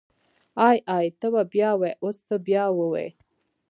ای ای ته بيا ووی اوس ته بيا ووی.